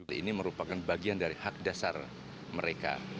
hal ini merupakan bagian dari hak dasar mereka